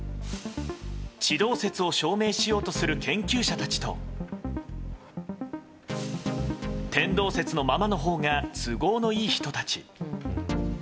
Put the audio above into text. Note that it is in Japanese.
地動説を証明しようとする研究者たちと天動説のままのほうが都合のいい人たち。